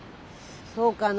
そうかな？